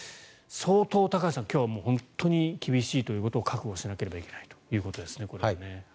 相当、今日は本当に厳しいということを覚悟しなければいけないということですね。